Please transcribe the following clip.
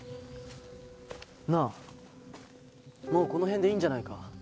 なあもうこの辺でいいんじゃないか？